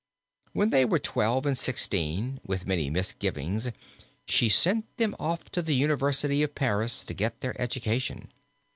When they were twelve and sixteen, with many misgivings she sent them off to the University of Paris to get their education.